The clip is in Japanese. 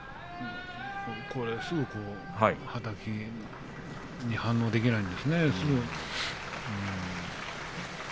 すぐはたきに反応できないんですね。